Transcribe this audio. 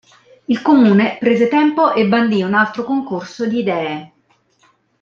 Il Comune prese tempo e bandì un altro concorso di idee.